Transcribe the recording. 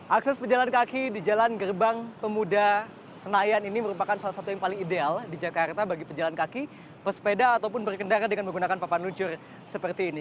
akses pejalan kaki di jalan gerbang pemuda senayan ini merupakan salah satu yang paling ideal di jakarta bagi pejalan kaki pesepeda ataupun berkendara dengan menggunakan papan luncur seperti ini